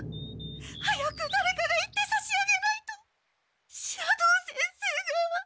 早くだれかが行ってさしあげないと斜堂先生が。